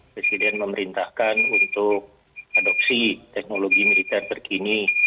presiden memerintahkan untuk adopsi teknologi militer terkini